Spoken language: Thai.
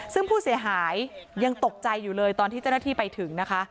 ซึ่งผู้เสียหายยังตกใจอยู่เลยตอนที่เจ้าหน้าที่ไปถึงนะคะ